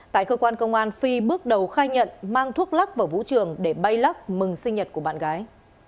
tại cơ quan công an phi bước đầu khai nhận mang thuốc lắc vào vũ trường để bay lắc mừng sinh nhật của bạn gái